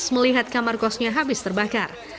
melihat kamar kosnya habis terbakar